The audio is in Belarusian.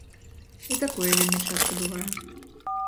І такое вельмі часта бывае.